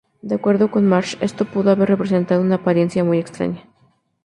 De acuerdo con Marsh, esto pudo haber "representado una apariencia muy extraña".